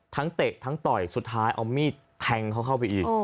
เตะทั้งต่อยสุดท้ายเอามีดแทงเขาเข้าไปอีก